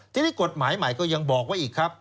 ทีนี้กฎหมายใหม่ก็ยังบอกไว้อีกครับ